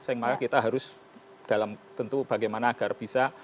yang makanya kita harus dalam tentu bagaimana agar bisa lebih bae